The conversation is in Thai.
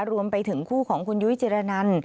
รวมไปถึงคู่ของคุณยุ้ยจิรนัน